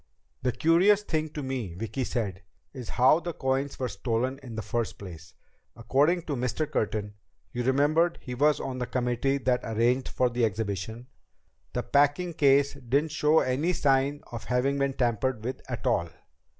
"The curious thing to me," Vicki said, "is how the coins were stolen in the first place. According to Mr. Curtin you remember he was on the committee that arranged for the exhibition the packing case didn't show any signs of having been tampered with at all."